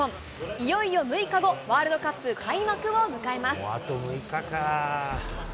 いよいよ６日後、ワールドカップ開幕を迎えます。